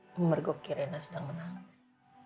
memergoki rena sedang menangis